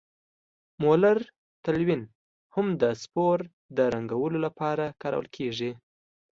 مولر تلوین هم د سپور د رنګولو لپاره کارول کیږي.